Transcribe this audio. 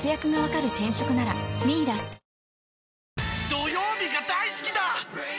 土曜日が大好きだー！